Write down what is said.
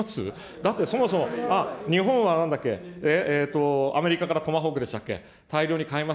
だって、そもそも日本はなんだっけ、アメリカからトマホークでしたっけ、大量に買います。